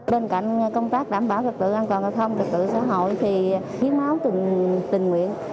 bên cạnh công tác đảm bảo trật tự an toàn trật tự xã hội thì hiếu máu tình nguyện